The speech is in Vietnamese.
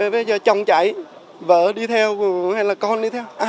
bây giờ chồng chạy vỡ đi theo hay là con đi theo